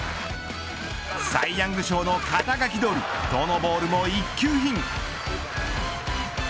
サイヤング賞の肩書どおりどのボールも一級品。